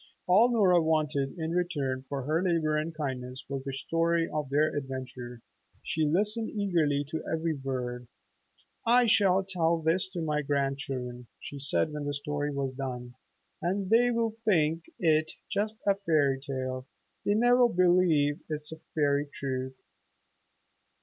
All Nora wanted in return for her labor and kindness was the story of their adventure. She listened eagerly to every word. "I shall tell this to my grandchildren," she said when the story was done, "and they will think it just a fairy tale. They'll never believe it's fairy truth!